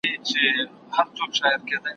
زه اوږده وخت د سبا لپاره د هنرونو تمرين کوم؟!